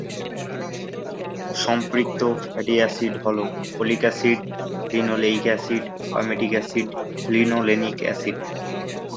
তিব্বতীয় মালভূমি উচ্চ পর্বতশ্রেণী দ্বারা বেষ্টিত।